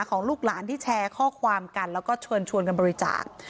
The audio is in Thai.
ของลูกหลานที่แชร์ข้อความกันแล้วก็เชิญชวนกันบริจาค